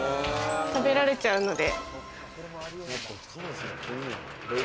食べられちゃうので。